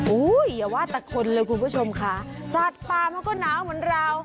อย่าว่าแต่คนเลยคุณผู้ชมค่ะสัตว์ป่ามันก็หนาวเหมือนเรา